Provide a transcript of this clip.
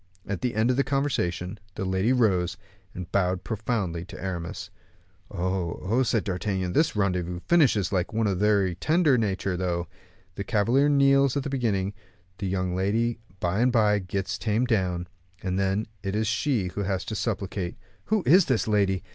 At the end of the conversation the lady rose, and bowed profoundly to Aramis. "Oh, oh," said D'Artagnan; "this rendezvous finishes like one of a very tender nature though. The cavalier kneels at the beginning, the young lady by and by gets tamed down, and then it is she who has to supplicate. Who is this lady?